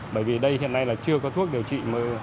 bởi vì đây hiện nay là chưa có thuốc điều trị